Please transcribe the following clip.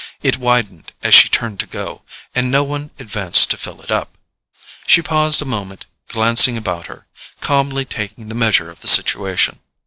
It widened as she turned to go, and no one advanced to fill it up. She paused a moment, glancing about her, calmly taking the measure of her situation.